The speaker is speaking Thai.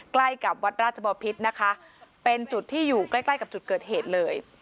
ใกล้กับวัดราชบอพิษนะคะเป็นจุดที่อยู่ใกล้ใกล้กับจุดเกิดเหตุเลย